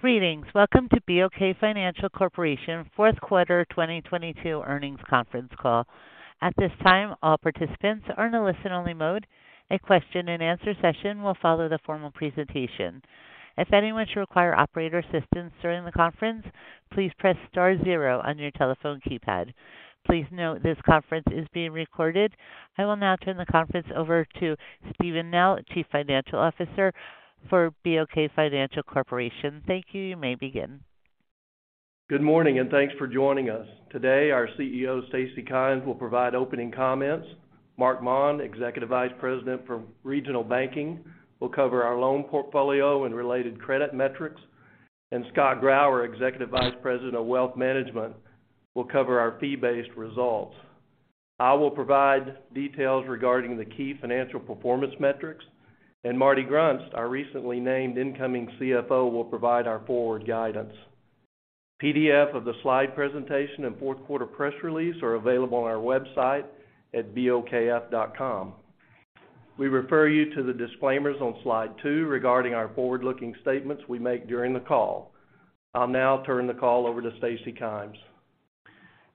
Greetings. Welcome to BOK Financial Corporation Q4 2022 earnings conference call. At this time, all participants are in a listen-only mode. A question-and-answer session will follow the formal presentation. If anyone should require operator assistance during the conference, please press star zero on your telephone keypad. Please note this conference is being recorded. I will now turn the conference over to Steven Nell, Chief Financial Officer for BOK Financial Corporation. Thank you. You may begin. Good morning, and thanks for joining us. Today, our CEO, Stacy Kymes, will provide opening comments. Marc Maun, Executive Vice President for Regional Banking, will cover our loan portfolio and related credit metrics. Scott Grauer, Executive Vice President of Wealth Management, will cover our fee-based results. I will provide details regarding the key financial performance metrics, and Martin Grunst, our recently named incoming CFO, will provide our forward guidance. PDF of the slide presentation and Q4 press release are available on our website at bokf.com. We refer you to the disclaimers on slide 2 regarding our forward-looking statements we make during the call. I'll now turn the call over to Stacy Kymes.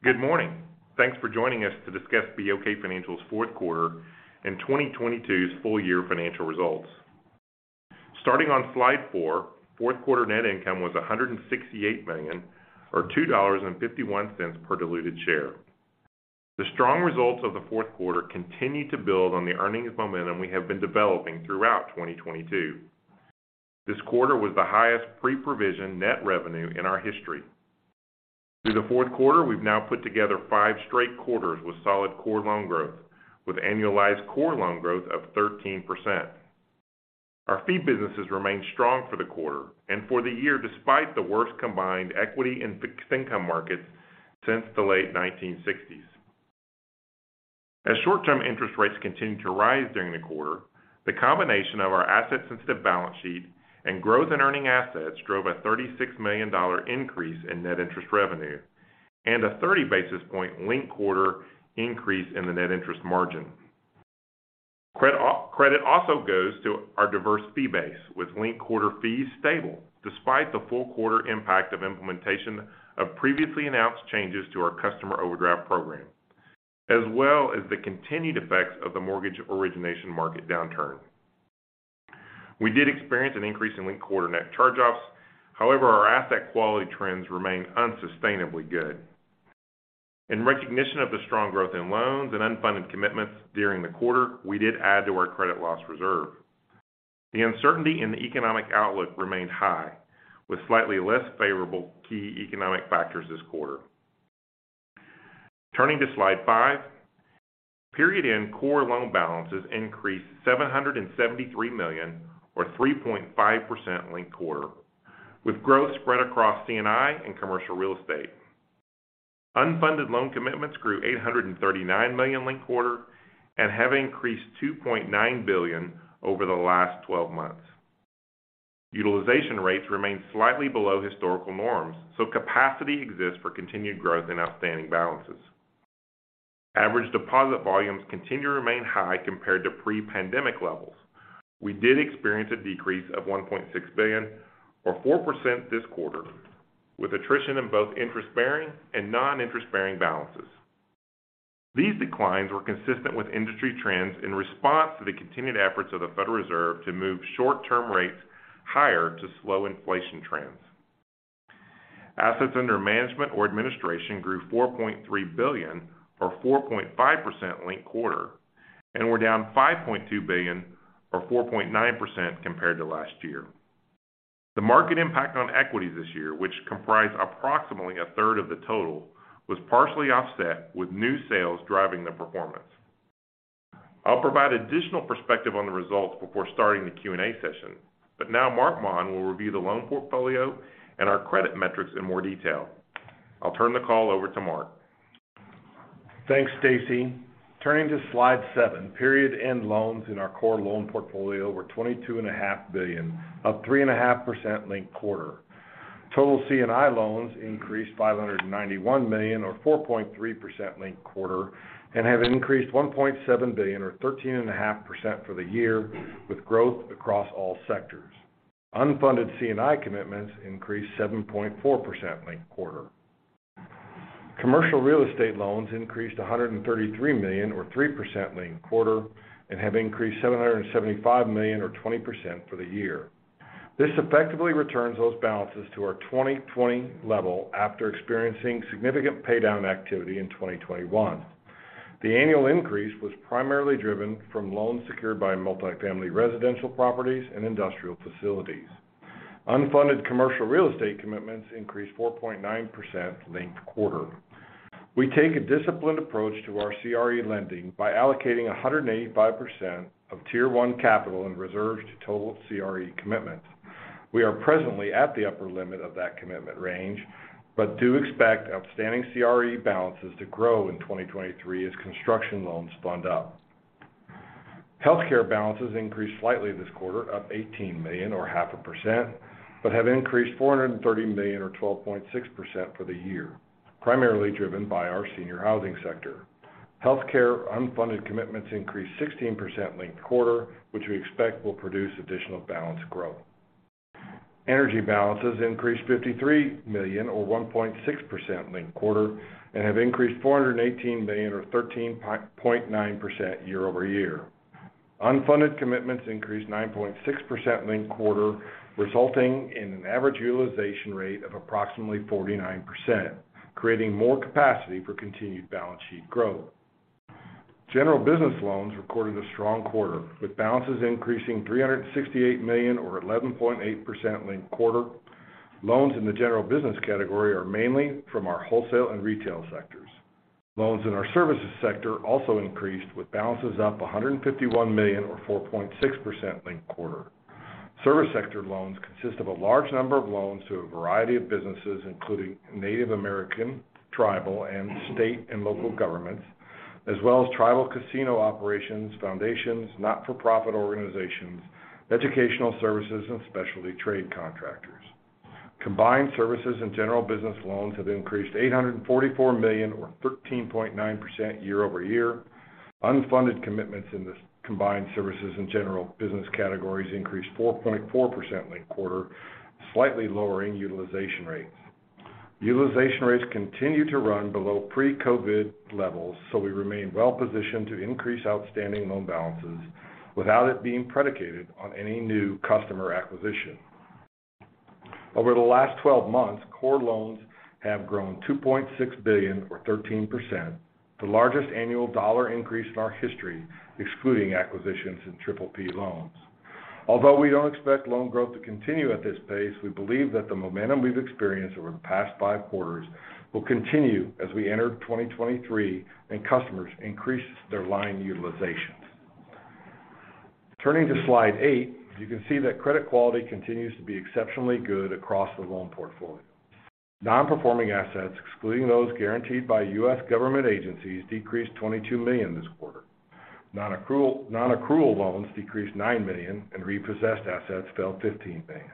Good morning. Thanks for joining us to discuss BOK Financial's Q4 and 2022's full year financial results. Starting on slide 4, Q4 net income was $168 million or $2.51 per diluted share. The strong results of the Q4 continued to build on the earnings momentum we have been developing throughout 2022. This quarter was the highest pre-provision net revenue in our history. Through the Q4, we've now put together five straight quarters with solid core loan growth with annualized core loan growth of 13%. Our fee businesses remained strong for the quarter and for the year, despite the worst combined equity and fixed income markets since the late 1960s. As short-term interest rates continued to rise during the quarter, the combination of our asset-sensitive balance sheet and growth in earning assets drove a $36 million increase in net interest revenue and a 30 basis point linked quarter increase in the net interest margin. Credit also goes to our diverse fee base, with linked quarter fees stable despite the full quarter impact of implementation of previously announced changes to our customer overdraft program, as well as the continued effects of the mortgage origination market downturn. We did experience an increase in linked quarter net charge-offs. Our asset quality trends remain unsustainably good. In recognition of the strong growth in loans and unfunded commitments during the quarter, we did add to our credit loss reserve. The uncertainty in the economic outlook remained high, with slightly less favorable key economic factors this quarter. Turning to slide 5. Period end core loan balances increased $773 million or 3.5% linked quarter, with growth spread across C&I and commercial real estate. Unfunded loan commitments grew $839 million linked quarter and have increased $2.9 billion over the last 12 months. Utilization rates remain slightly below historical norms, so capacity exists for continued growth in outstanding balances. Average deposit volumes continue to remain high compared to pre-pandemic levels. We did experience a decrease of $1.6 billion or 4% this quarter, with attrition in both interest-bearing and non-interest-bearing balances. These declines were consistent with industry trends in response to the continued efforts of the Federal Reserve to move short-term rates higher to slow inflation trends. Assets under management or administration grew $4.3 billion or 4.5% linked quarter and were down $5.2 billion or 4.9% compared to last year. The market impact on equities this year, which comprise approximately a third of the total, was partially offset with new sales driving the performance. I'll provide additional perspective on the results before starting the Q&A session. Now Marc Maun will review the loan portfolio and our credit metrics in more detail. I'll turn the call over to Marc. Thanks, Stacy. Turning to slide 7, period end loans in our core loan portfolio were $22.5 billion, up 3.5% linked quarter. Total C&I loans increased $591 million or 4.3% linked quarter and have increased $1.7 billion or 13.5% for the year, with growth across all sectors. Unfunded C&I commitments increased 7.4% linked quarter. Commercial real estate loans increased $133 million or 3% linked quarter and have increased $775 million or 20% for the year. This effectively returns those balances to our 2020 level after experiencing significant paydown activity in 2021. The annual increase was primarily driven from loans secured by multifamily residential properties and industrial facilities. Unfunded commercial real estate commitments increased 4.9% linked quarter. We take a disciplined approach to our CRE lending by allocating 185% of Tier 1 capital and reserves to total CRE commitments. We are presently at the upper limit of that commitment range, but do expect outstanding CRE balances to grow in 2023 as construction loans fund up. Healthcare balances increased slightly this quarter, up $18 million or 0.5%, but have increased $430 million or 12.6% for the year, primarily driven by our senior housing sector. Healthcare unfunded commitments increased 16% linked quarter, which we expect will produce additional balance growth. Energy balances increased $53 million or 1.6% linked quarter and have increased $418 million or 13.9% year-over-year. Unfunded commitments increased 9.6% linked quarter, resulting in an average utilization rate of approximately 49%, creating more capacity for continued balance sheet growth. General business loans recorded a strong quarter, with balances increasing $368 million or 11.8% linked quarter. Loans in the general business category are mainly from our wholesale and retail sectors. Loans in our services sector also increased with balances up $151 million or 4.6% linked quarter. Service sector loans consist of a large number of loans to a variety of businesses, including Native American, tribal, and state and local governments, as well as tribal casino operations, foundations, not-for-profit organizations, educational services, and specialty trade contractors. Combined services and general business loans have increased $844 million or 13.9% year-over-year. Unfunded commitments in the combined services and general business categories increased 4.4% linked quarter, slightly lowering utilization rates. Utilization rates continue to run below pre-COVID levels. We remain well positioned to increase outstanding loan balances without it being predicated on any new customer acquisition. Over the last 12 months, core loans have grown $2.6 billion or 13%, the largest annual dollar increase in our history, excluding acquisitions in PPP loans. Although we don't expect loan growth to continue at this pace, we believe that the momentum we've experienced over the past five quarters will continue as we enter 2023 and customers increase their line utilizations. Turning to slide 8, you can see that credit quality continues to be exceptionally good across the loan portfolio. Non-performing assets, excluding those guaranteed by US government agencies, decreased $22 million this quarter. Non-accrual loans decreased $9 million and repossessed assets fell $15 million.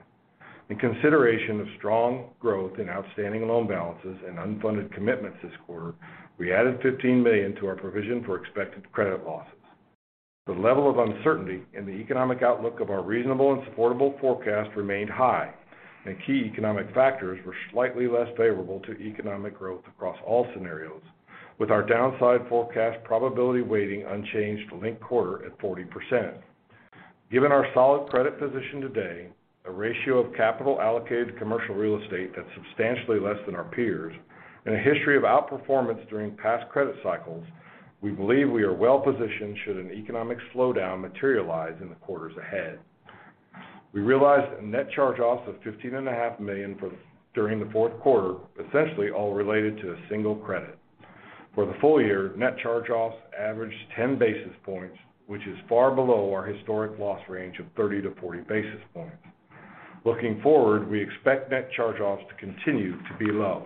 In consideration of strong growth in outstanding loan balances and unfunded commitments this quarter, we added $15 million to our provision for expected credit losses. The level of uncertainty in the economic outlook of our reasonable and supportable forecast remained high, and key economic factors were slightly less favorable to economic growth across all scenarios. With our downside forecast probability weighting unchanged linked quarter at 40%. Given our solid credit position today, a ratio of capital allocated commercial real estate that's substantially less than our peers, and a history of outperformance during past credit cycles, we believe we are well-positioned should an economic slowdown materialize in the quarters ahead. We realized a net charge-off of $fifteen and a half million during the Q4, essentially all related to a single credit. For the full year, net charge-offs averaged 10 basis points, which is far below our historic loss range of 30-40 basis points. Looking forward, we expect net charge-offs to continue to be low.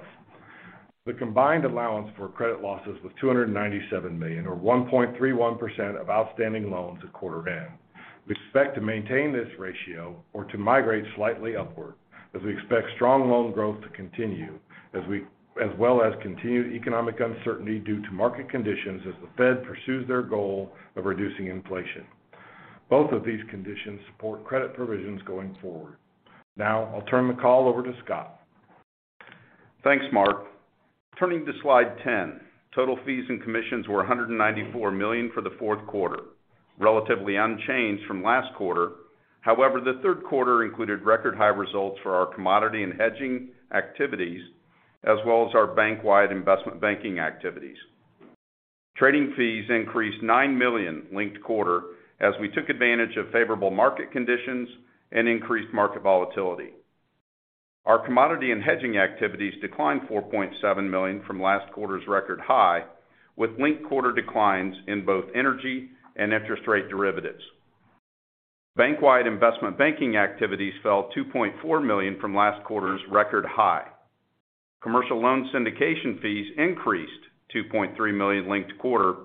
The combined Allowance for Credit Losses was $297 million or 1.31% of outstanding loans at quarter end. We expect to maintain this ratio or to migrate slightly upward as we expect strong loan growth to continue as well as continued economic uncertainty due to market conditions as the Fed pursues their goal of reducing inflation. Both of these conditions support credit provisions going forward. Now I'll turn the call over to Scott. Thanks, Marc. Turning to slide 10. Total fees and commissions were $194 million for the Q4, relatively unchanged from last quarter. The Q3 included record-high results for our commodity and hedging activities, as well as our bank-wide investment banking activities. Trading fees increased $9 million linked quarter as we took advantage of favorable market conditions and increased market volatility. Our commodity and hedging activities declined $4.7 million from last quarter's record high, with linked quarter declines in both energy and interest rate derivatives. Bank-wide investment banking activities fell $2.4 million from last quarter's record high. Commercial loan syndication fees increased $2.3 million linked quarter,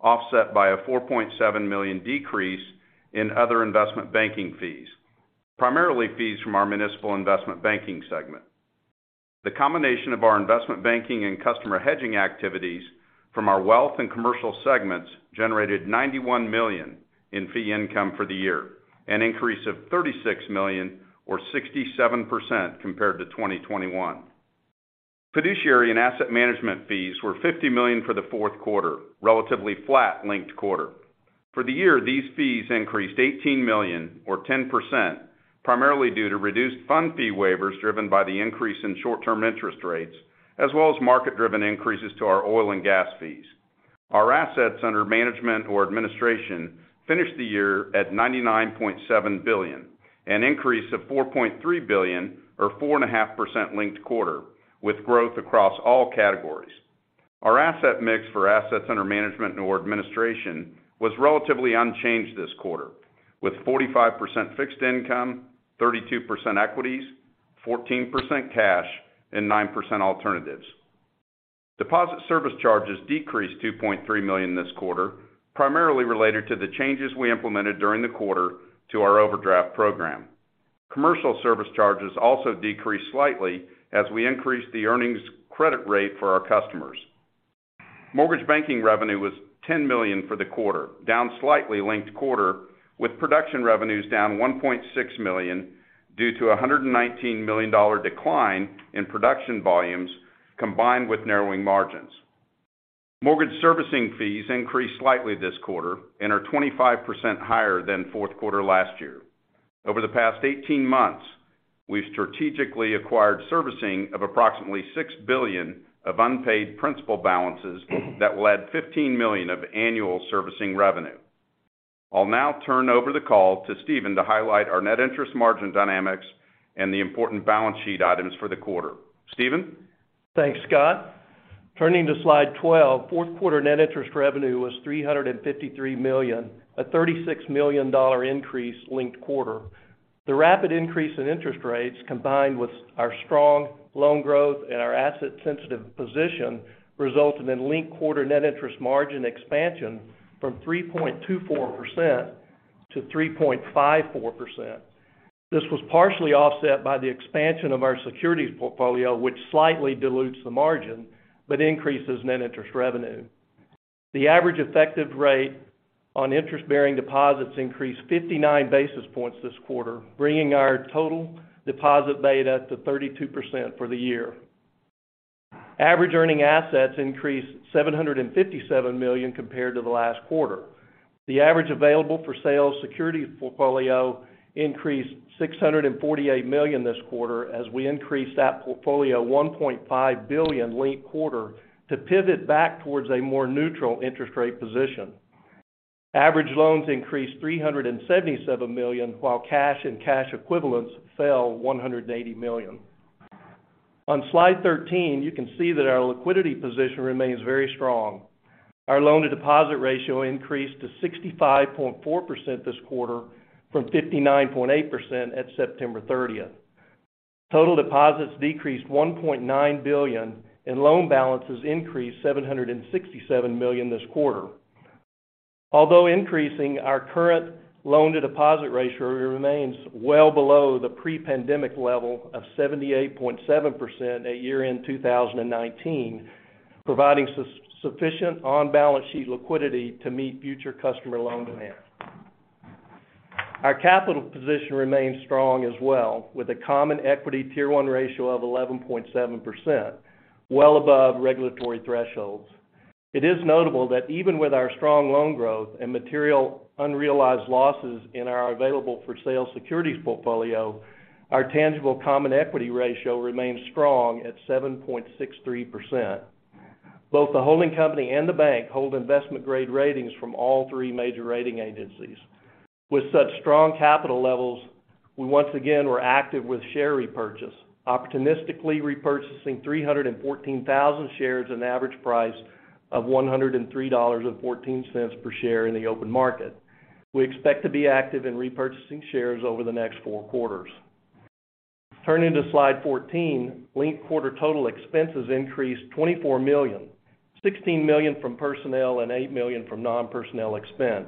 offset by a $4.7 million decrease in other investment banking fees, primarily fees from our municipal investment banking segment. The combination of our investment banking and customer hedging activities from our wealth and commercial segments generated $91 million in fee income for the year, an increase of $36 million or 67% compared to 2021. Fiduciary and asset management fees were $50 million for the Q4, relatively flat linked quarter. For the year, these fees increased $18 million or 10%, primarily due to reduced fund fee waivers driven by the increase in short-term interest rates, as well as market-driven increases to our oil and gas fees. Our assets under management or administration finished the year at $99.7 billion, an increase of $4.3 billion or 4.5% linked quarter, with growth across all categories. Our asset mix for assets under management or administration was relatively unchanged this quarter, with 45% fixed income, 32% equities, 14% cash, and 9% alternatives. Deposit service charges decreased $2.3 million this quarter, primarily related to the changes we implemented during the quarter to our overdraft program. Commercial service charges also decreased slightly as we increased the earnings credit rate for our customers. Mortgage banking revenue was $10 million for the quarter, down slightly linked quarter, with production revenues down $1.6 million due to a $119 million decline in production volumes combined with narrowing margins. Mortgage servicing fees increased slightly this quarter and are 25% higher than Q4 last year. Over the past 18 months, we've strategically acquired servicing of approximately $6 billion of unpaid principal balances that will add $15 million of annual servicing revenue. I'll now turn over the call to Steven to highlight our Net Interest Margin dynamics and the important balance sheet items for the quarter. Steven? Thanks, Scott. Turning to slide 12, Q4 Net Interest Revenue was $353 million, a $36 million increase linked quarter. The rapid increase in interest rates combined with our strong loan growth and our asset-sensitive position resulted in linked quarter Net Interest Margin expansion from 3.24% to 3.54%. This was partially offset by the expansion of our securities portfolio, which slightly dilutes the margin but increases Net Interest Revenue. The average effective rate on interest-bearing deposits increased 59 basis points this quarter, bringing our total Deposit Beta to 32% for the year. Average earning assets increased $757 million compared to the last quarter. The average Available-for-Sale securities portfolio increased $648 million this quarter as we increased that portfolio $1.5 billion linked quarter to pivot back towards a more neutral interest rate position. Average loans increased $377 million, while cash and cash equivalents fell $180 million. On slide 13, you can see that our liquidity position remains very strong. Our Loan-to-Deposit Ratio increased to 65.4% this quarter from 59.8% at September 30th. Total deposits decreased $1.9 billion, and loan balances increased $767 million this quarter. Although increasing, our current Loan-to-Deposit Ratio remains well below the pre-pandemic level of 78.7% at year-end 2019, providing sufficient on-balance sheet liquidity to meet future customer loan demands. Our capital position remains strong as well, with a Common Equity Tier 1 ratio of 11.7%, well above regulatory thresholds. It is notable that even with our strong loan growth and material unrealized losses in our Available-for-Sale securities portfolio, our Tangible Common Equity ratio remains strong at 7.63%. Both the holding company and the bank hold investment grade ratings from all three major rating agencies. With such strong capital levels, we once again were active with share repurchase, opportunistically repurchasing 314,000 shares an average price of $103.14 per share in the open market. We expect to be active in repurchasing shares over the next 4 quarters. Turning to slide 14, linked quarter total expenses increased $24 million, $16 million from personnel and $8 million from non-personnel expense.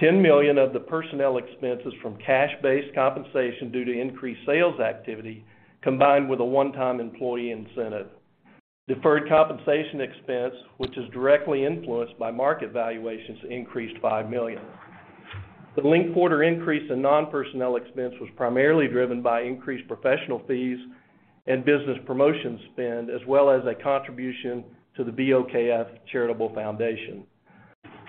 $10 million of the personnel expense is from cash-based compensation due to increased sales activity, combined with a one-time employee incentive. Deferred compensation expense, which is directly influenced by market valuations, increased $5 million. The linked quarter increase in non-personnel expense was primarily driven by increased professional fees and business promotion spend, as well as a contribution to the BOKF Charitable Foundation.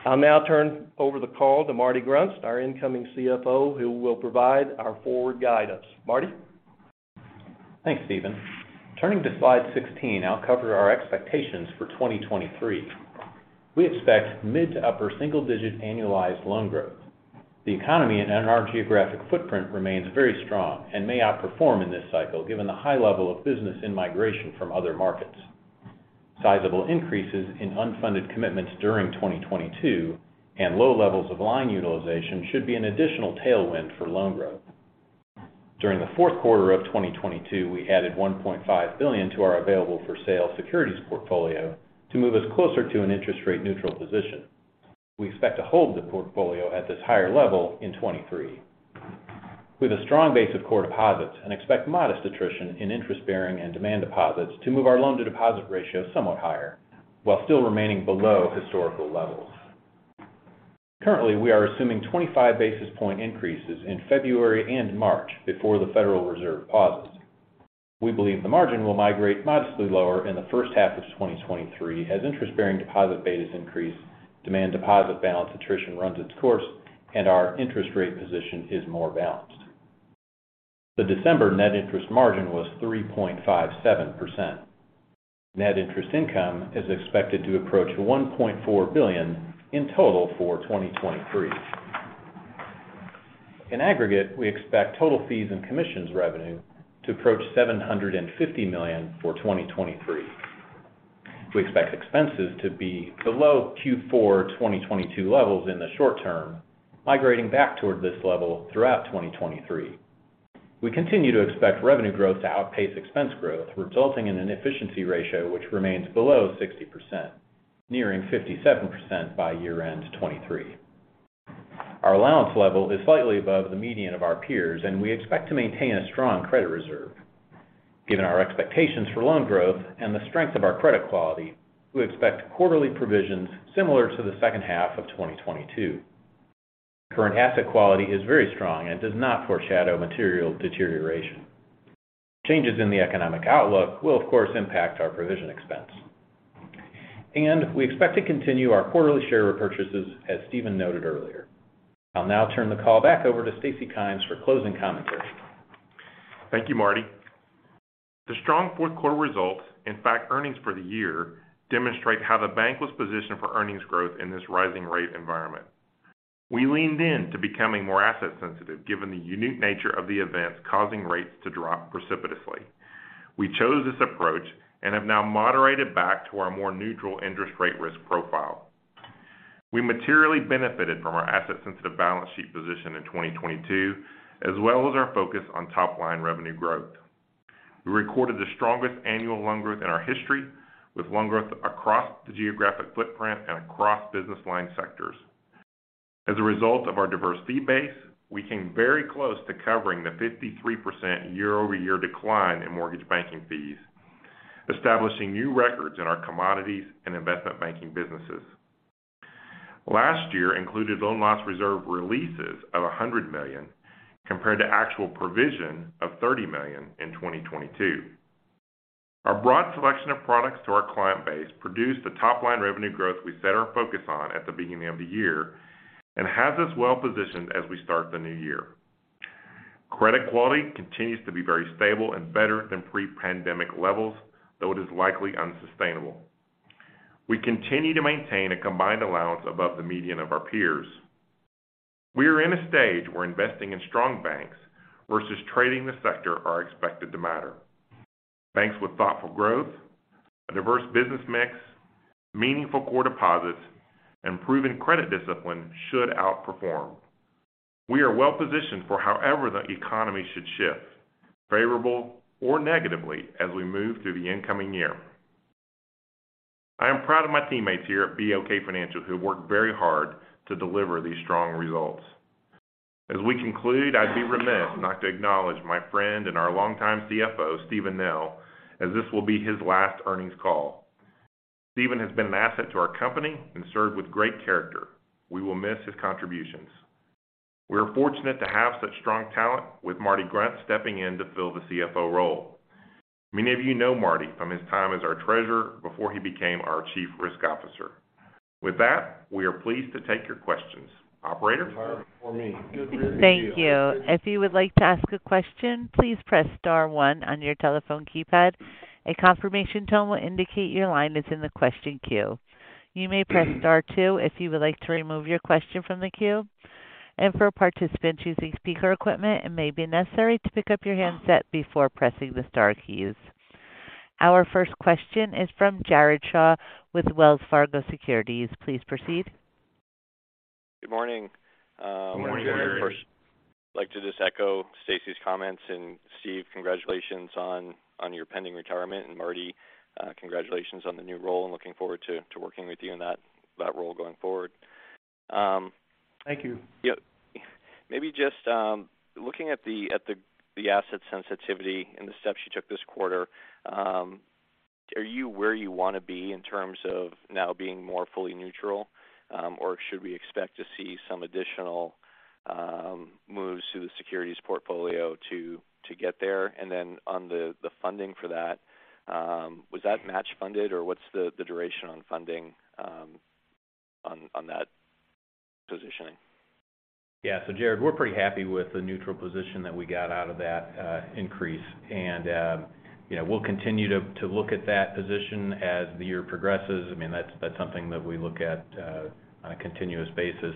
I'll now turn over the call to Marty Grunst, our incoming CFO, who will provide our forward guidance. Marty? Thanks, Steven. Turning to slide 16, I'll cover our expectations for 2023. We expect mid to upper single-digit annualized loan growth. The economy in our geographic footprint remains very strong and may outperform in this cycle given the high level of business in migration from other markets. Sizable increases in unfunded commitments during 2022 and low levels of line utilization should be an additional tailwind for loan growth. During the Q4 of 2022, we added $1.5 billion to our Available-for-Sale securities portfolio to move us closer to an interest rate neutral position. We expect to hold the portfolio at this higher level in 2023. With a strong base of core deposits and expect modest attrition in interest-bearing and demand deposits to move our Loan-to-Deposit Ratio somewhat higher while still remaining below historical levels. Currently, we are assuming 25 basis point increases in February and March before the Federal Reserve pauses. We believe the margin will migrate modestly lower in the first half of 2023 as interest-bearing Deposit Betas increase, demand deposit balance attrition runs its course, and our interest rate position is more balanced. The December Net Interest Margin was 3.57%. Net Interest Income is expected to approach $1.4 billion in total for 2023. In aggregate, we expect total fees and commissions revenue to approach $750 million for 2023. We expect expenses to be below Q4 2022 levels in the short term, migrating back toward this level throughout 2023. We continue to expect revenue growth to outpace expense growth, resulting in an Efficiency Ratio which remains below 60%, nearing 57% by year-end 2023. Our allowance level is slightly above the median of our peers, and we expect to maintain a strong credit reserve. Given our expectations for loan growth and the strength of our credit quality, we expect quarterly provisions similar to the second half of 2022. Current asset quality is very strong and does not foreshadow material deterioration. Changes in the economic outlook will of course impact our provision expense. We expect to continue our quarterly share repurchases, as Steven noted earlier. I'll now turn the call back over to Stacy Kymes for closing commentary. Thank you, Marty. The strong Q4 results, in fact, earnings for the year demonstrate how the bank was positioned for earnings growth in this rising rate environment. We leaned in to becoming more asset-sensitive, given the unique nature of the events causing rates to drop precipitously. We chose this approach and have now moderated back to our more neutral interest rate risk profile. We materially benefited from our asset-sensitive balance sheet position in 2022, as well as our focus on top-line revenue growth. We recorded the strongest annual loan growth in our history, with loan growth across the geographic footprint and across business line sectors. As a result of our diverse fee base, we came very close to covering the 53% year-over-year decline in mortgage banking fees, establishing new records in our commodities and investment banking businesses. Last year included loan loss reserve releases of $100 million compared to actual provision of $30 million in 2022. Our broad selection of products to our client base produced the top-line revenue growth we set our focus on at the beginning of the year and has us well positioned as we start the new year. Credit quality continues to be very stable and better than pre-pandemic levels, though it is likely unsustainable. We continue to maintain a combined allowance above the median of our peers. We are in a stage where investing in strong banks versus trading the sector are expected to matter. Banks with thoughtful growth, a diverse business mix, meaningful core deposits, and proven credit discipline should outperform. We are well positioned for however the economy should shift, favorable or negatively, as we move through the incoming year. I am proud of my teammates here at BOK Financial who worked very hard to deliver these strong results. As we conclude, I'd be remiss not to acknowledge my friend and our longtime CFO, Steven Nell, as this will be his last earnings call. Steven has been an asset to our company and served with great character. We will miss his contributions. We are fortunate to have such strong talent with Marty Grunst stepping in to fill the CFO role. Many of you know Marty from his time as our treasurer before he became our chief risk officer. With that, we are pleased to take your questions. Operator? Thank you. If you would like to ask a question, please press star one on your telephone keypad. A confirmation tone will indicate your line is in the question queue. You may press star two if you would like to remove your question from the queue. For participants using speaker equipment, it may be necessary to pick up your handset before pressing the star keys. Our first question is from Jared Shaw with Wells Fargo Securities. Please proceed. Good morning. Good morning, Jared. I'd like to just echo Stacy's comments. Steve, congratulations on your pending retirement. Marty, congratulations on the new role and looking forward to working with you in that role going forward. Thank you. Yeah. Maybe just looking at the asset sensitivity and the steps you took this quarter, are you where you want to be in terms of now being more fully neutral? Or should we expect to see some additional moves to the securities portfolio to get there? On the funding for that, was that match funded, or what's the duration on funding on that positioning? Yeah. Jared, we're pretty happy with the neutral position that we got out of that increase. we'll continue to look at that position as the year progresses. I mean, that's something that we look at on a continuous basis.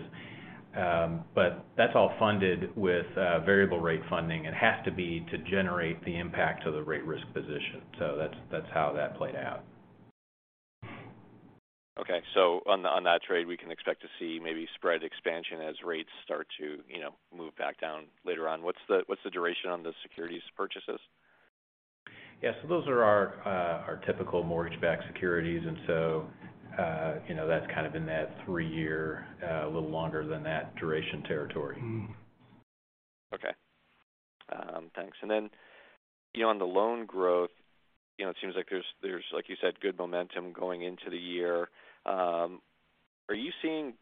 That's all funded with variable rate funding. It has to be to generate the impact of the rate risk position. That's how that played out. Okay. On that trade, we can expect to see maybe spread expansion as rates start to move back down later on. What's the duration on the securities purchases? Yeah. Those are our typical Mortgage-Backed Securities. that's kind of in that three-year, a little longer than that duration territory. Okay. Thanks. Beyond the loan growth it seems like there's, like you said, good momentum going into the year. Are you seeing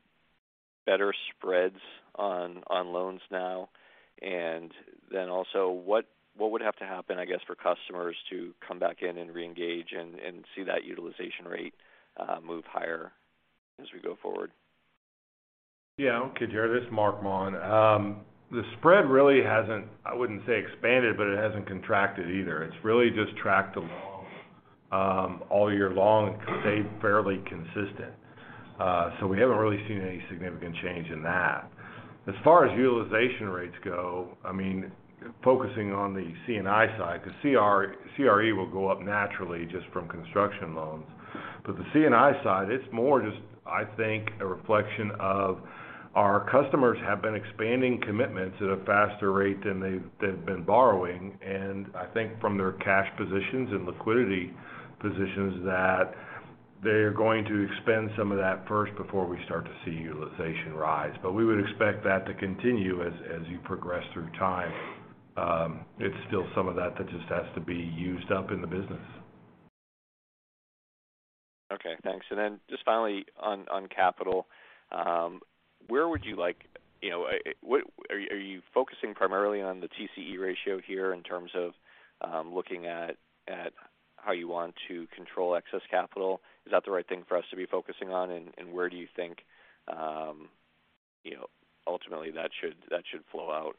better spreads on loans now? Also, what would have to happen, I guess, for customers to come back in and reengage and see that utilization rate move higher as we go forward? Yeah. Okay, Jared, this Marc Maun. The spread really hasn't, I wouldn't say expanded, but it hasn't contracted either. It's really just tracked along all year long and stayed fairly consistent. We haven't really seen any significant change in that. As far as utilization rates go, I mean, focusing on the C&I side, the CRE will go up naturally just from construction loans. The C&I side, it's more just, I think, a reflection of our customers have been expanding commitments at a faster rate than they've been borrowing. I think from their cash positions and liquidity positions that. They are going to expend some of that first before we start to see utilization rise. We would expect that to continue as you progress through time. It's still some of that that just has to be used up in the business. Okay, thanks. Then just finally on capital, where would you like what are you focusing primarily on the TCE ratio here in terms of looking at how you want to control excess capital? Is that the right thing for us to be focusing on, and where do you think ultimately that should flow out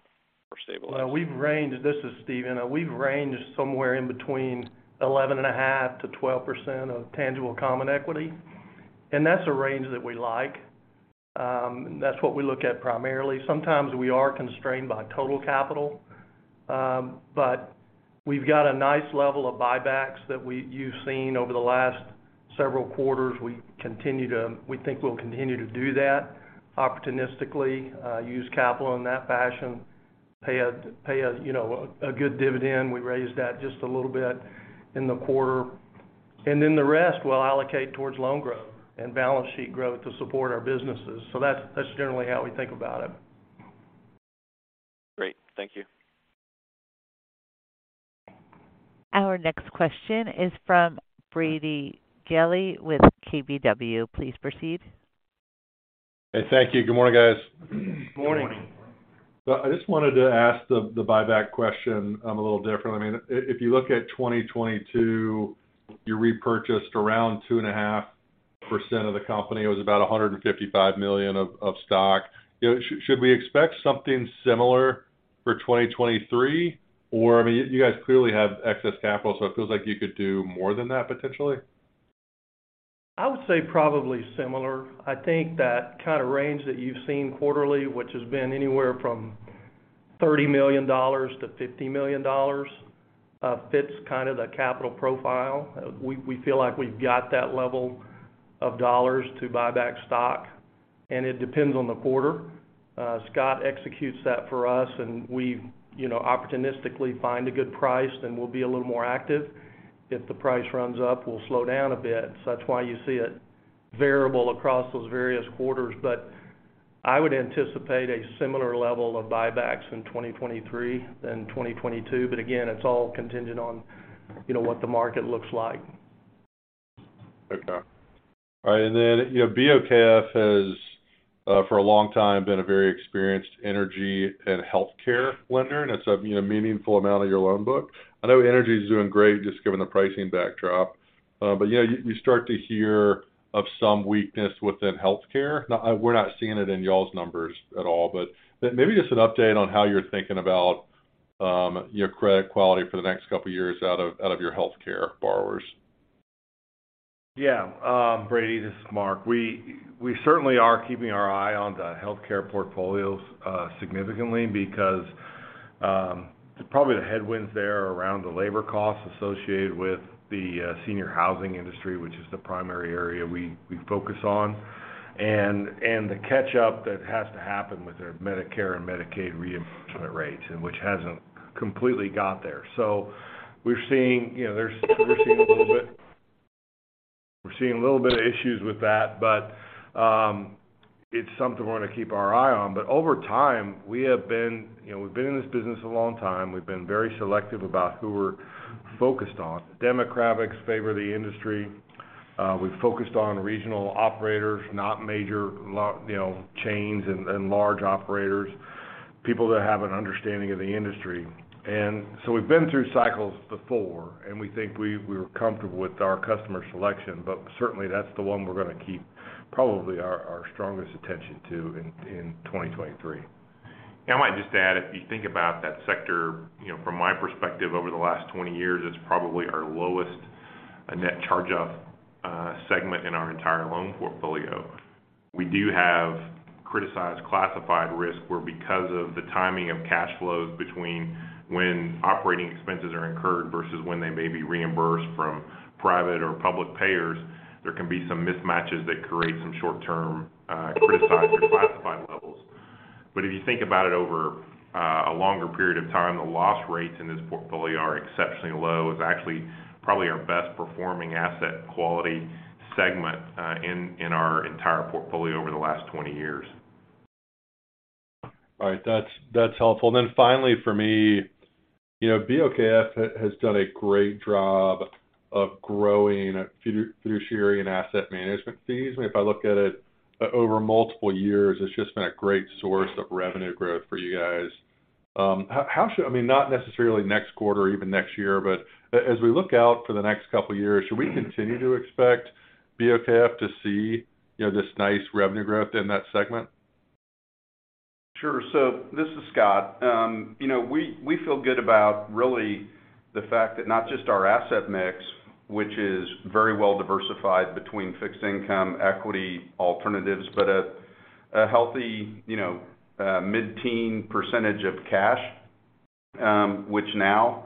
or stabilize? Well, this is Steven. We've ranged somewhere in between 11.5%-12% of Tangible Common Equity, and that's a range that we like. That's what we look at primarily. Sometimes we are constrained by total capital, but we've got a nice level of buybacks that you've seen over the last several quarters. We think we'll continue to do that opportunistically, use capital in that fashion, pay a a good dividend. We raised that just a little bit in the quarter. The rest we'll allocate towards loan growth and balance sheet growth to support our businesses. That's generally how we think about it. Great. Thank you. Our next question is from Brady Gailey with KBW. Please proceed. Hey, thank you. Good morning, guys. Good morning. Good morning. I just wanted to ask the buyback question a little differently. I mean, if you look at 2022, you repurchased around 2.5% of the company. It was about $155 million of stock. should we expect something similar for 2023? I mean, you guys clearly have excess capital, so it feels like you could do more than that potentially. I would say probably similar. I think that kind of range that you've seen quarterly, which has been anywhere from $30 million to $50 million, fits kind of the capital profile. We feel like we've got that level of dollars to buy back stock, and it depends on the quarter. Scott executes that for us, and we opportunistically find a good price, then we'll be a little more active. If the price runs up, we'll slow down a bit. That's why you see it variable across those various quarters. I would anticipate a similar level of buybacks in 2023 than in 2022. Again, it's all contingent on what the market looks like. Okay. All right. then BOKF has for a long time been a very experienced energy and healthcare lender, and it's a meaningful amount of your loan book. I know energy is doing great just given the pricing backdrop. you start to hear of some weakness within healthcare. Now, we're not seeing it in y'all's numbers at all, but maybe just an update on how you're thinking about your credit quality for the next couple of years out of your healthcare borrowers. Brady, this is Mark. We certainly are keeping our eye on the healthcare portfolios, significantly because, probably the headwinds there around the labor costs associated with the senior housing industry, which is the primary area we focus on, and the catch-up that has to happen with their Medicare and Medicaid reimbursement rates and which hasn't completely got there. We're seeing we're seeing a little bit of issues with that, but it's something we're going to keep our eye on. Over time, we have been. we've been in this business a long time. We've been very selective about who we're focused on. Demographics favor the industry. We've focused on regional operators, not major chains and large operators, people that have an understanding of the industry. We've been through cycles before, and we think we're comfortable with our customer selection, but certainly that's the one we're going to keep probably our strongest attention to in 2023. Yeah. I might just add, if you think about that sector from my perspective over the last 20 years, it's probably our lowest net charge-off segment in our entire loan portfolio. We do have criticized classified risk where because of the timing of cash flows between when operating expenses are incurred versus when they may be reimbursed from private or public payers, there can be some mismatches that create some short-term criticized or classified levels. If you think about it over a longer period of time, the loss rates in this portfolio are exceptionally low. It's actually probably our best performing asset quality segment in our entire portfolio over the last 20 years. All right. That's helpful. Finally for me BOKF has done a great job of growing fiduciary and asset management fees. I mean, if I look at it over multiple years, it's just been a great source of revenue growth for you guys. How should, I mean, not necessarily next quarter or even next year, but as we look out for the next couple of years, should we continue to expect BOKF to see this nice revenue growth in that segment? Sure. This is Scott. we feel good about really the fact that not just our asset mix, which is very well diversified between fixed income, equity, alternatives, but a healthy mid-teen percentage of cash, which now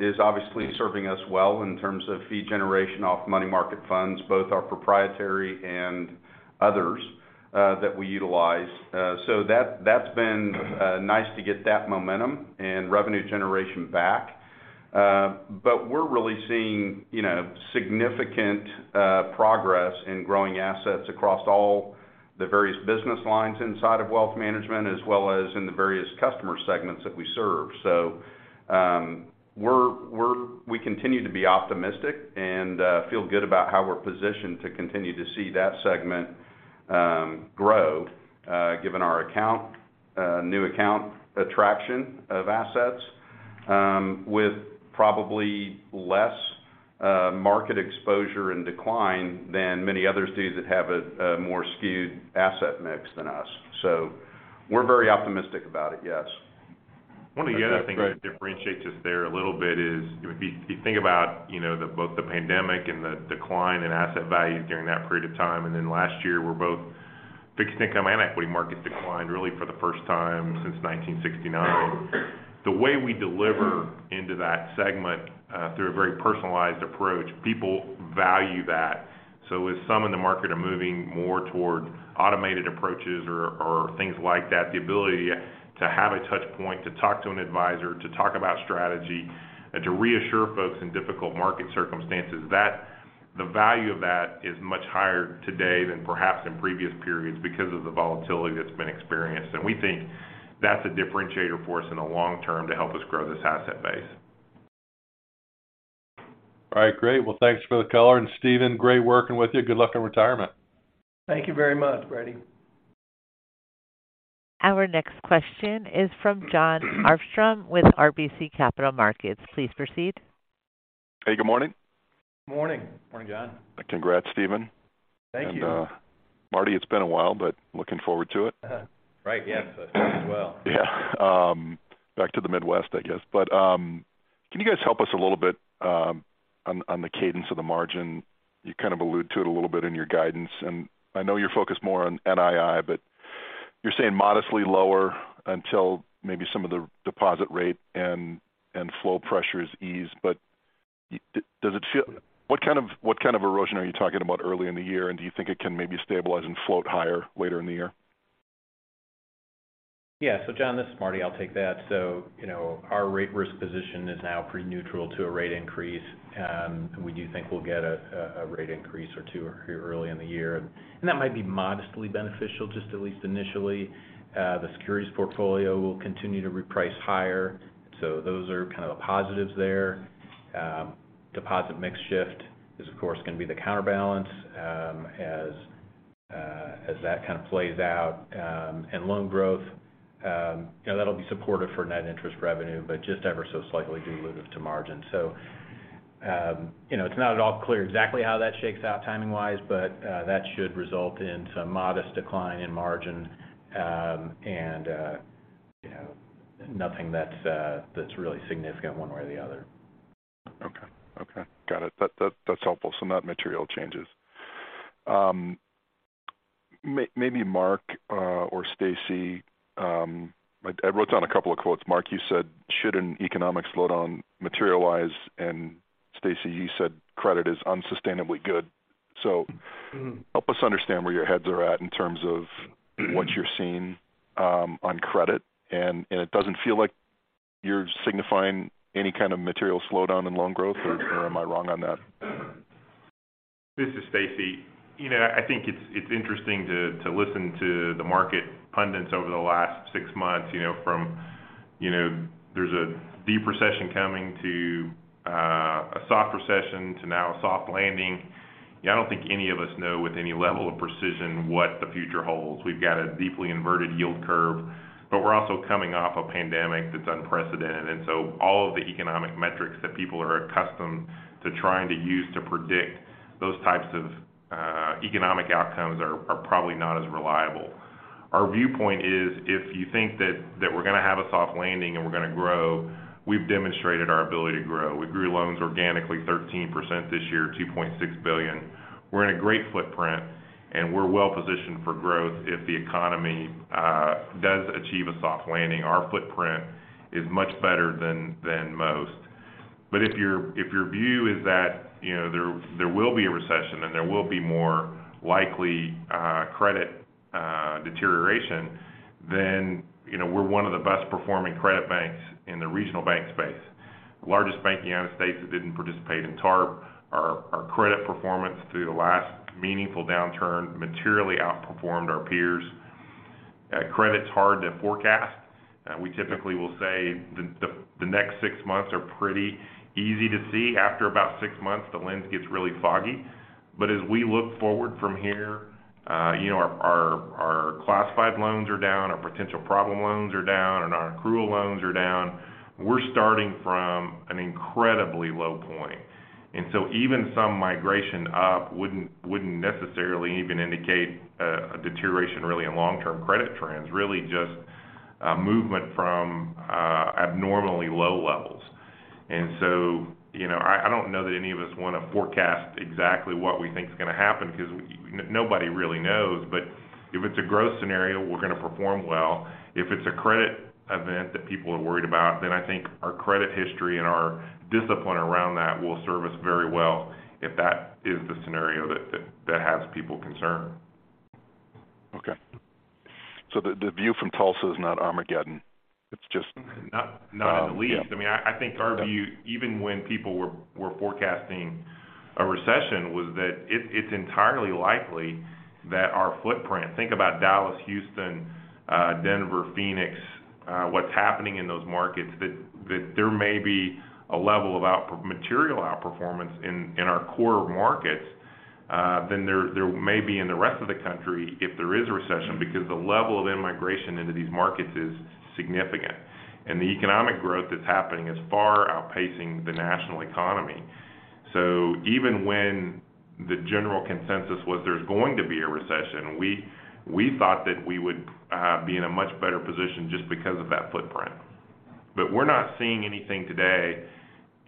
is obviously serving us well in terms of fee generation off money market funds, both our proprietary and others that we utilize. That's been nice to get that momentum and revenue generation back. We're really seeing significant progress in growing assets across all the various business lines inside of Wealth Management, as well as in the various customer segments that we serve. We continue to be optimistic and feel good about how we're positioned to continue to see that segment grow given our account new account attraction of assets with probably less market exposure and decline than many others do that have a more skewed asset mix than us. We're very optimistic about it. Yes. One of the other things that differentiates us there a little bit is if you think about both the pandemic and the decline in asset values during that period of time, and then last year were both fixed income and equity markets declined really for the first time since 1969. The way we deliver into that segment, through a very personalized approach, people value that. As some in the market are moving more toward automated approaches or things like that, the ability to have a touch point, to talk to an advisor, to talk about strategy, and to reassure folks in difficult market circumstances, the value of that is much higher today than perhaps in previous periods because of the volatility that's been experienced. We think that's a differentiator for us in the long term to help us grow this asset base. All right, great. Well, thanks for the color. Steven, great working with you. Good luck in retirement. Thank you very much, Brady. Our next question is from Jon Arfstrom with RBC Capital Markets. Please proceed. Hey, good morning. Good morning. Morning, Jon. Congraulation, Steven. Thank you. Marty, it's been a while, but looking forward to it. Right. Yes. Me as well. Yeah. back to the Midwest, I guess. Can you guys help us a little bit, on the cadence of the margin? I know you're focused more on NII, but you're saying modestly lower until maybe some of the deposit rate and flow pressures ease. What kind of erosion are you talking about early in the year? Do you think it can maybe stabilize and float higher later in the year? Yeah. Jon, this is Marty, I'll take that. our rate risk position is now pretty neutral to a rate increase. We do think we'll get a rate increase or 2 early in the year. That might be modestly beneficial, just at least initially. The securities portfolio will continue to reprice higher. Those are kind of the positives there. Deposit mix shift is, of course, going to be the counterbalance, as that kind of plays out. Loan growth, that'll be supportive for Net Interest Revenue, but just ever so slightly dilutive to margin. it's not at all clear exactly how that shakes out timing-wise, but that should result in some modest decline in margin, and nothing that's really significant one way or the other. Okay. Okay. Got it. That's helpful. Not material changes. Maybe Marc or Stacy, I wrote down a couple of quotes. Marc, you said, "Should an economic slowdown materialize," and Stacy, you said, "Credit is unsustainably good." Help us understand where your heads are at in terms of what you're seeing on credit. It doesn't feel like you're signifying any kind of material slowdown in loan growth, or am I wrong on that? This is Stacy. I think it's interesting to listen to the market pundits over the last six months from there's a deep recession coming to, uh, a soft recession to now a soft landing. Yeah, I don't think any of us know with any level of precision what the future holds. We've got a deeply inverted yield curve, but we're also coming off a pandemic that's unprecedented. All of the economic metrics that people are accustomed to trying to use to predict those types of, uh, economic outcomes are probably not as reliable. Our viewpoint is, if you think that we're going to have a soft landing and we're going to grow, we've demonstrated our ability to grow. We grew loans organically 13% this year, $2.6 billion. We're in a great footprint and we're well-positioned for growth if the economy does achieve a soft landing. Our footprint is much better than most. If your, if your view is that there will be a recession and there will be more likely credit deterioration, then we're one of the best-performing credit banks in the regional bank space. Largest bank in the United States that didn't participate in TARP. Our credit performance through the last meaningful downturn materially outperformed our peers. Credit's hard to forecast. We typically will say the next six months are pretty easy to see. After about six months, the lens gets really foggy. As we look forward from here our classified loans are down, our potential problem loans are down, and our accrual loans are down. We're starting from an incredibly low point. Even some migration up wouldn't necessarily even indicate a deterioration really in long-term credit trends, really just a movement from abnormally low levels. I don't know that any of us want to forecast exactly what we think is going to happen because nobody really knows. If it's a growth scenario, we're going to perform well. If it's a credit event that people are worried about, then I think our credit history and our discipline around that will serve us very well if that is the scenario that has people concerned. The view from Tulsa is not Armageddon. It's just- Not in the least. Yeah. I mean, I think our view, even when people were forecasting a recession, was that it's entirely likely that our footprint. Think about Dallas, Houston, Denver, Phoenix, what's happening in those markets, that there may be a level of material outperformance in our core markets than there may be in the rest of the country if there is a recession because the level of immigration into these markets is significant. The economic growth that's happening is far outpacing the national economy. Even when the general consensus was there's going to be a recession, we thought that we would be in a much better position just because of that footprint. We're not seeing anything today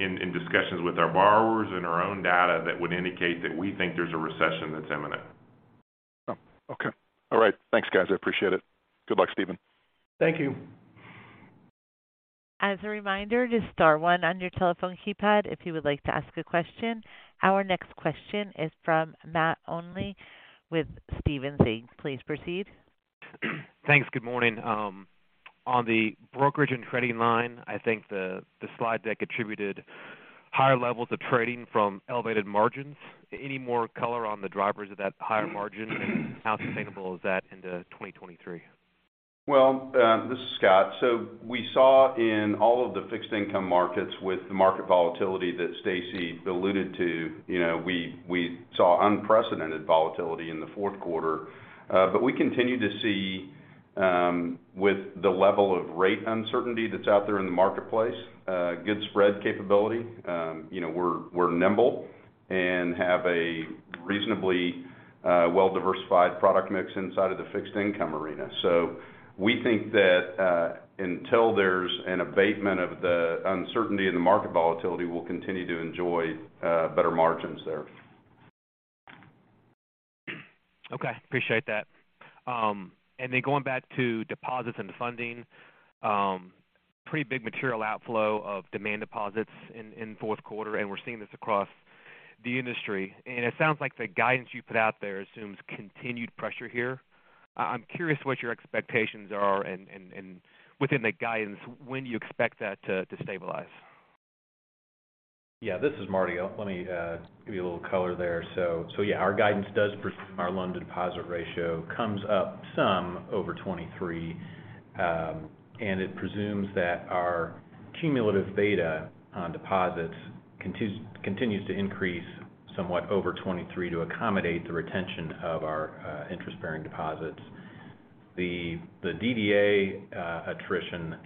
in discussions with our borrowers and our own data that would indicate that we think there's a recession that's imminent. Okay. All right. Thanks, guys. I appreciate it. Good luck, Steven. Thank you. As a reminder, just star one on your telephone keypad if you would like to ask a question. Our next question is from Matt Olney with Stephens Inc. Please proceed. Thanks. Good morning. On the brokerage and trading line, I think the slide deck attributed higher levels of trading from elevated margins. Any more color on the drivers of that higher margin and how sustainable is that into 2023? Well, this is Scott. We saw in all of the fixed income markets with the market volatility that Stacy alluded to we saw unprecedented volatility in the Q4. We continue to see, with the level of rate uncertainty that's out there in the marketplace, good spread capability. we're nimble and have a reasonably well-diversified product mix inside of the fixed income arena. We think that, until there's an abatement of the uncertainty in the market volatility, we'll continue to enjoy, better margins there. Okay, appreciate that. Going back to deposits and funding, pretty big material outflow of demand deposits in Q4, and we're seeing this across the industry. It sounds like the guidance you put out there assumes continued pressure here. I'm curious what your expectations are and within the guidance, when do you expect that to stabilize? Yeah, this is Marty. Let me give you a little color there. Yeah, our guidance does presume our Loan-to-Deposit Ratio comes up some over 23, and it presumes that our cumulative beta on deposits continues to increase somewhat over 23 to accommodate the retention of our interest-bearing deposits. The DDA attrition,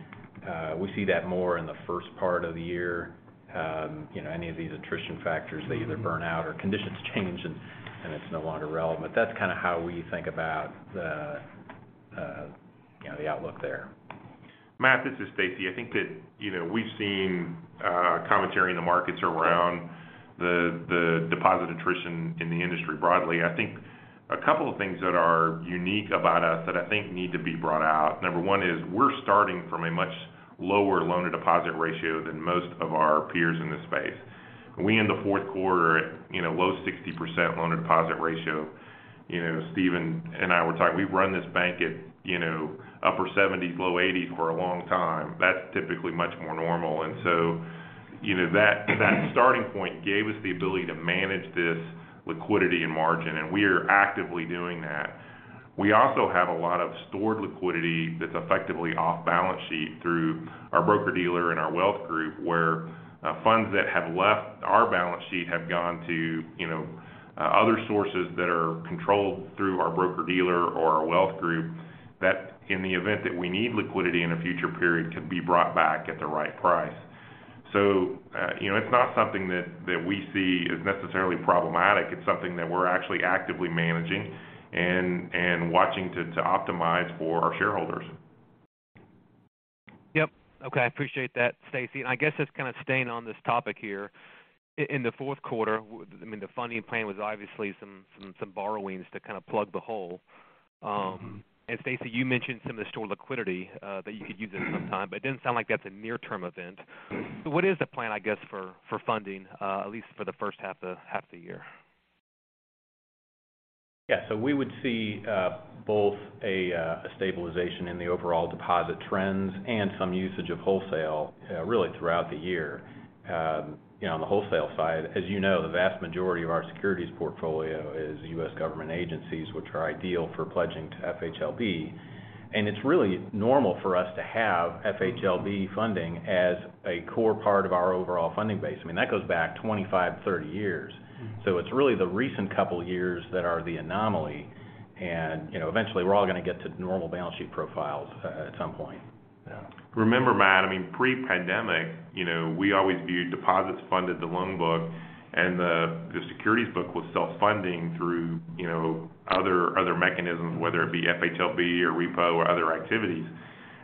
we see that more in the first part of the year. any of these attrition factors, they either burn out or conditions change and it's no longer relevant. That's kinda how we think about the the outlook there. Matt, this is Stacy. I think that we've seen commentary in the markets around the deposit attrition in the industry broadly. I think a couple of things that are unique about us that I think need to be brought out. Number one is we're starting from a much lower Loan-to-Deposit Ratio than most of our peers in this space. We end the Q4 at low 60% Loan-to-Deposit Ratio. Steven and I were talking, we've run this bank at upper 70s, low 80s for a long time. That's typically much more normal. that starting point gave us the ability to manage this liquidity and margin, and we are actively doing that. We also have a lot of stored liquidity that's effectively off balance sheet through our broker-dealer and our wealth group, where, funds that have left our balance sheet have gone to other sources that are controlled through our broker-dealer or our wealth group, that in the event that we need liquidity in a future period could be brought back at the right price. it's not something that we see as necessarily problematic. It's something that we're actually actively managing and watching to optimize for our shareholders. Yep. Okay. Appreciate that, Stacy. I guess just kinda staying on this topic here. In the Q4, I mean, the funding plan was obviously some borrowings to kinda plug the hole. Stacy, you mentioned some of the stored liquidity that you could use at some time, but it didn't sound like that's a near-term event. What is the plan, I guess, for funding, at least for the first half of the year? Yeah. We would see both a stabilization in the overall deposit trends and some usage of wholesale really throughout the year. on the wholesale side, as the vast majority of our securities portfolio is US government agencies, which are ideal for pledging to FHLB. It's really normal for us to have FHLB funding as a core part of our overall funding base. I mean, that goes back 25, 30 years. It's really the recent couple years that are the anomaly. eventually we're all going to get to normal balance sheet profiles at some point. Remember, Matt, I mean, pre-pandemic we always viewed deposits funded the loan book and the securities book was self-funding through other mechanisms, whether it be FHLB or repo or other activities.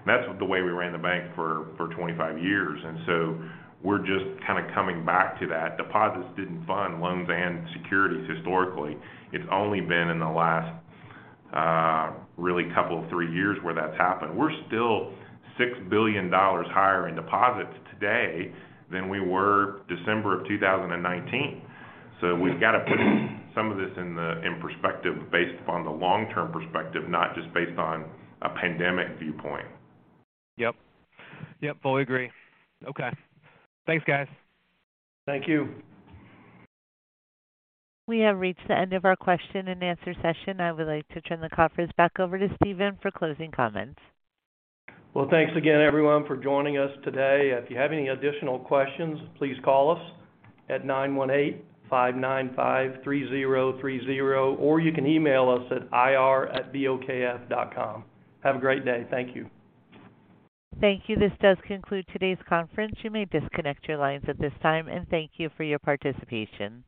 That's the way we ran the bank for 25 years. We're just kind of coming back to that. Deposits didn't fund loans and securities historically. It's only been in the last really couple, three years where that's happened. We're still $6 billion higher in deposits today than we were December of 2019. We've got to put some of this in perspective based upon the long-term perspective, not just based on a pandemic viewpoint. Yes. Yes. Fully agree. Okay. Thanks, guys. Thank you. We have reached the end of our question-and-answer session. I would like to turn the conference back over to Steven for closing comments. Well, thanks again, everyone, for joining us today. If you have any additional questions, please call us at 918-595-3030, or you can email us at ir@bokf.com. Have a great day. Thank you. Thank you. This does conclude today's conference. You may disconnect your lines at this time, and thank you for your participation.